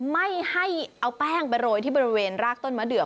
ไม่ให้เอาแป้งไปโรยที่บริเวณรากต้นมะเดือก